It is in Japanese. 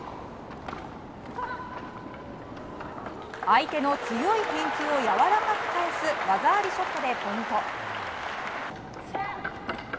相手の強い返球をやわらかく返す技ありショットでポイント。